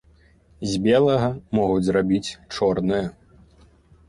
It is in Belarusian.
З белага могуць зрабіць чорнае.